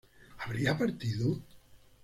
¿habría partido?